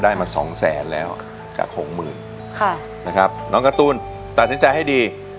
มาสองแสนแล้วกับหกหมื่นค่ะนะครับน้องการ์ตูนตัดสินใจให้ดี